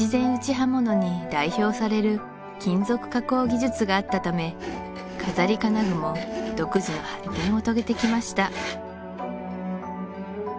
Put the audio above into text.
刃物に代表される金属加工技術があったため飾り金具も独自の発展を遂げてきました